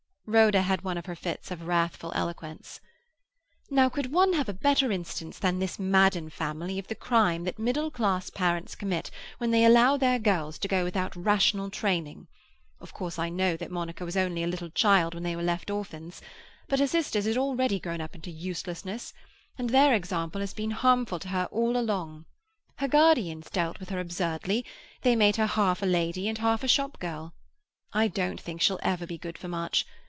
Rhoda had one of her fits of wrathful eloquence. "Now could one have a better instance than this Madden family of the crime that middle class parents commit when they allow their girls to go without rational training? Of course I know that Monica was only a little child when they were left orphans; but her sisters had already grown up into uselessness, and their example has been harmful to her all along. Her guardians dealt with her absurdly; they made her half a lady and half a shop girl. I don't think she'll ever be good for much.